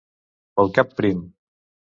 Pel cap prim.